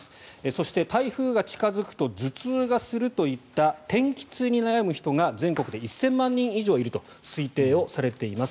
そして、台風が近付くと頭痛がするといった天気痛に悩む人が全国で１０００万人以上いると推定をされています。